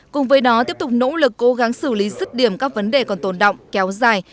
cùng với đó tiếp tục nỗ lực cố gắng xử lý rứt điểm các vấn đề còn tồn động kéo dài